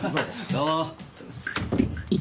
どうも。